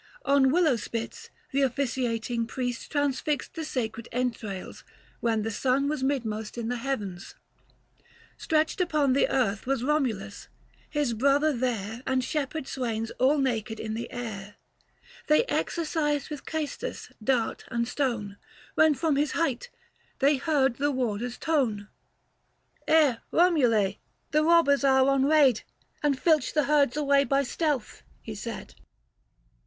370 On willow spits, th' officiating priest Transfixed the sacred entrails, when the sun Was midmost in the heavens. Stretched upon The earth was Komulus ; his brother there And shepherd swains all naked in the air. 375 They exercised with ceestus, dart, and stone, When from his height, they heard the warder's tone —" Eh, Romule ! the robbers are on raid And filch the herds away by stealth," he said.